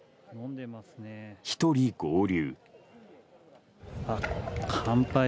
１人、合流。